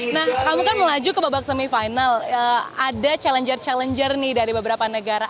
nah kamu kan melaju ke babak semifinal ada challenger challenger nih dari beberapa negara